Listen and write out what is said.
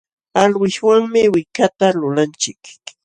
Alwishwanmi wikata lulanchik.